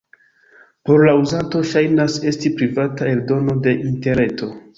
Por la uzanto ŝajnas esti privata eldono de interreto.